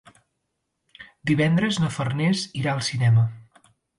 Divendres na Farners irà al cinema.